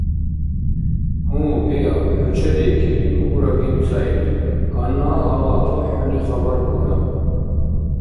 — Гьу, биаб, хӀу чедиикири, — мукӀуракӀиб цаибил. — Гьанна гьала-гьала хӀуни хабар бура.